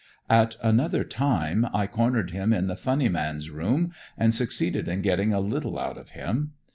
At another time I cornered him in the Funny Man's room and succeeded in getting a little out of him.